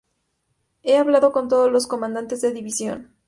He hablado con todos los comandantes de división.